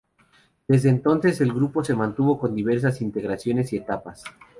Desde entonces el grupo se mantuvo con diversas integraciones y etapas.